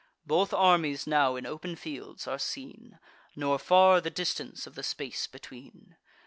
Both armies now in open fields are seen; Nor far the distance of the space between.